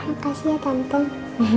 makasih ya tante